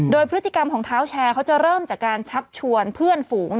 โดยพฤติกรรมของเท้าแชร์เขาจะเริ่มจากการชักชวนเพื่อนฝูง